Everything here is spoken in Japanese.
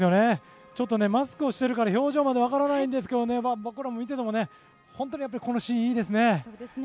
マスクをしているから表情までは分からないんですけどもここから見てても本当に、このシーンいいですね。